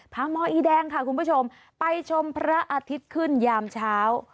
หมออีแดงค่ะคุณผู้ชมไปชมพระอาทิตย์ขึ้นยามเช้า